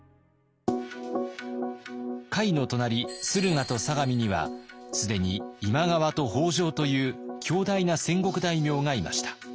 甲斐の隣駿河と相模には既に今川と北条という強大な戦国大名がいました。